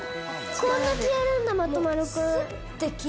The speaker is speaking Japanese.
こんな消えるんだ、まとまるくん。